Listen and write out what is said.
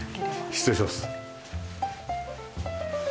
失礼します。